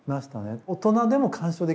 大人でも鑑賞できる。